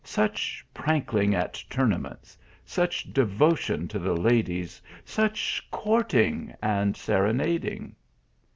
Such prankling at tournaments ! such devotion to the ladies ! such courting and serenad ing"